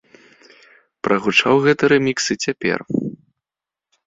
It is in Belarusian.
Прагучаў гэты рэмікс і цяпер.